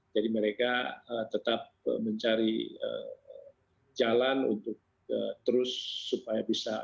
jadi mereka tetap mencari jalan untuk terus supaya bisa survive